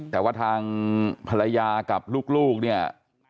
แต่ว่าทางภรรยากับลูกเนี่ย